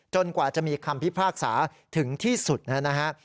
กว่าจะมีคำพิพากษาถึงที่สุดนะครับ